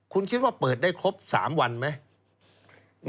คุณคิดว่าเปิดได้ครบ๓วันไหม